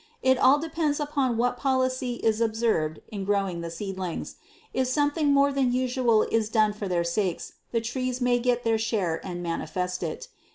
It all depends upon what policy is observed in growing the seedlings; if something more than usual is done for their sakes, the trees may get their share and manifest it.